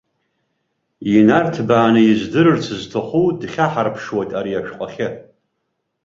Инарҭбааны издырырц зҭаху, дхьаҳарԥшуеит ари ашәҟәахьы.